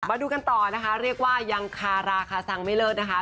มาดูกันต่อนะคะเรียกว่ายังคาราคาซังไม่เลิกนะคะ